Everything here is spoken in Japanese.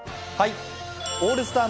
オールスター